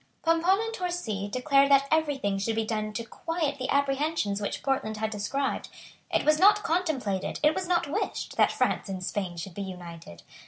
Pomponne and Torcy declared that every thing should be done to quiet the apprehensions which Portland had described. It was not contemplated, it was not wished, that France and Spain should be united.